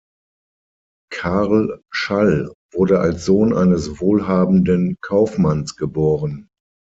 Karl Schall wurde als Sohn eines wohlhabenden Kaufmanns geboren.